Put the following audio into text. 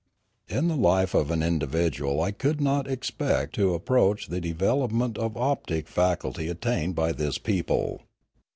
In the life of an individual I could not expect to ap proach the development of optic faculty attained by this people.